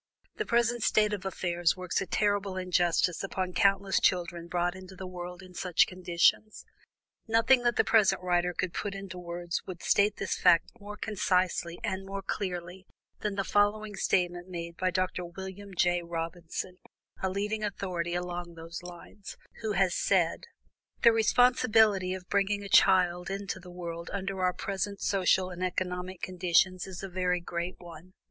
The present state of affairs works a terrible injustice upon countless children brought into the world in such conditions. Nothing that the present writer could put into words would state this fact more concisely and clearly than the following statement made by Dr. Wm. J. Robinson, a leading authority along these lines, who has said: "The responsibility of bringing a child into the world under our present social and economic conditions is a very great one.